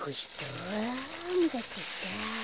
あおなかすいた。